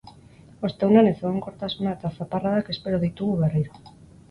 Ostegunean, ezegonkortasuna eta zaparradak espero ditugu berriro.